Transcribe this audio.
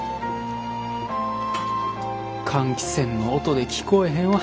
換気扇の音で聞こえへんわ。